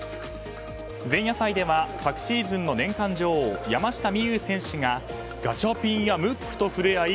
前夜祭では昨シーズンの年間女王山下美夢有選手がガチャピンやムックと触れ合い